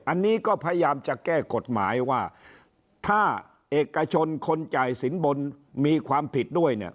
อันนี้ก็พยายามจะแก้กฎหมายว่าถ้าเอกชนคนจ่ายสินบนมีความผิดด้วยเนี่ย